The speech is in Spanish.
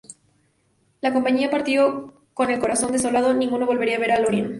La Compañía partió con el corazón desolado, ninguno volvería a ver Lórien.